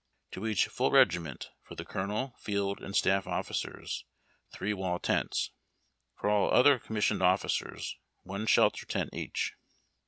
To each full regiment, for tlie Colonel, Field and Staff officers, three wall tents. For all other commissioned officers, one shelter tient each.